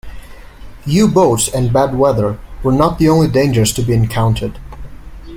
U-boats and bad weather were not the only dangers to be encountered.